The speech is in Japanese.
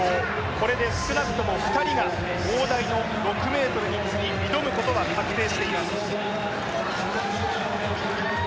これで少なくとも２人が大台の６ｍに次挑むことは確定しています